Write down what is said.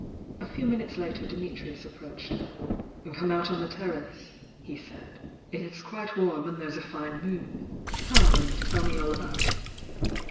A few minutes later Dimitnus aPproached her "Come out on the terrace," he said .J^LS"^ warm and there's a fine moon. Come and teU me all about it!"